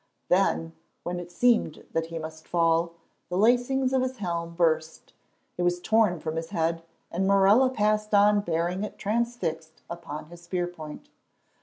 Then, when it seemed that he must fall, the lacings of his helm burst. It was torn from his head, and Morella passed on bearing it transfixed upon his spear point.